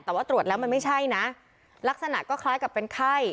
แต่ว่าตรวจแล้วมันไม่ใช่นะลักษณะก็คล้ายกับเป็นไข้